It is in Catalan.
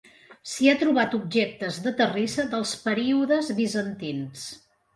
S'hi ha trobat objectes de terrissa dels períodes bizantins.